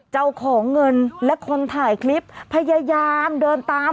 เจ้าของเงินและคนถ่ายคลิปพยายามเดินตาม